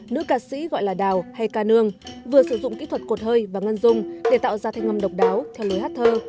nữ ca sĩ gọi là đào hay ca nương vừa sử dụng kỹ thuật cột hơi và ngân dung để tạo ra thanh ngâm độc đáo theo lối hát thơ